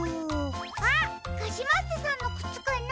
あっカシマッセさんのくつかな？